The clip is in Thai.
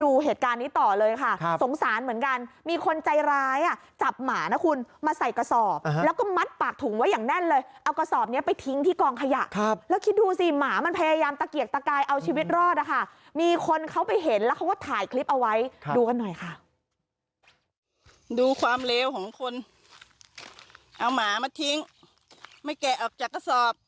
ดูเหตุการณ์นี้ต่อเลยค่ะสงสารเหมือนกันมีคนใจร้ายอ่ะจับหมานะคุณมาใส่กระสอบแล้วก็มัดปากถุงไว้อย่างแน่นเลยเอากระสอบนี้ไปทิ้งที่กองขยะครับแล้วคิดดูสิหมามันพยายามตะเกียกตะกายเอาชีวิตรอดนะคะมีคนเขาไปเห็นแล้วเขาก็ถ่ายคลิปเอาไว้ดูกันหน่อยค่ะดูความเลวของคนเอาหมามาทิ้งไม่แกะออกจากกระสอบ